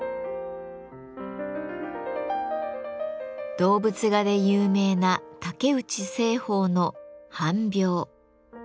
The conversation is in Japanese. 動物画で有名な竹内栖鳳の「班猫」。